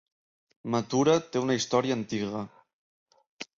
Mathura té una història antiga.